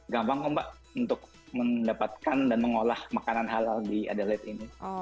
gampang kok mbak untuk mendapatkan dan mengolah makanan halal di adalet ini